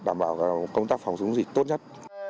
đảm bảo công tác phòng xuống dịch tốt nhất